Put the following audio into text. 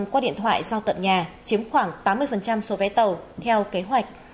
qua điện thoại giao tận nhà chiếm khoảng tám mươi số vé tàu theo kế hoạch